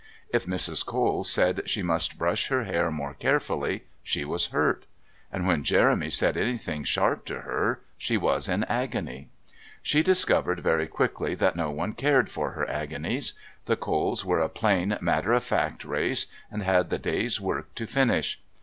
If Mrs. Cole said that she must brush her hair more carefully she was hurt, and when Jeremy said anything sharp to her she was in agony. She discovered very quickly that no one cared for her agonies. The Coles were a plain, matter of fact race, and had the day's work to finish.